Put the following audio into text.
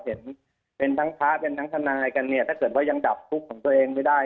เห็นเป็นทั้งภาพเป็นทั้งธนายกันถ้าเกิดยังดับฟุกของตัวเองไม่ได้